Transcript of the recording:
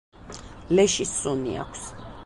ლეშის სუნი აქვს.